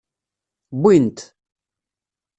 Wwin-t.